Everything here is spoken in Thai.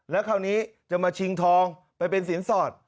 แล้วคราวนี้จะมาชิงทองไปเป็นสินสอด